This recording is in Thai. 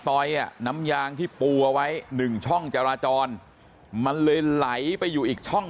ต่อยอ่ะน้ำยางที่ปูเอาไว้หนึ่งช่องจราจรมันเลยไหลไปอยู่อีกช่อง